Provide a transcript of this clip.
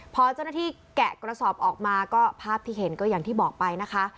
พอเจ้าหน้าที่แกะกระสอบออกมาก็ภาพที่เห็นก็อย่างที่บอกไปนะคะ